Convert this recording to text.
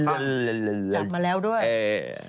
จัดมาแล้วด้วยเฮ่ย